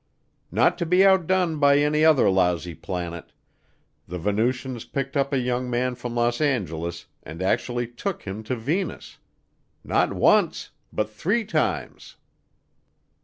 Not to be outdone by any other lousy planet, the Venusians picked up a young man from Los Angeles and actually took him to Venus. Not once, but three times.